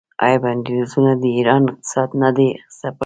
آیا بندیزونو د ایران اقتصاد نه دی ځپلی؟